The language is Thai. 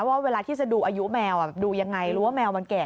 ว่าเวลาที่จะดูอายุแมวดูยังไงรู้ว่าแมวมันแก่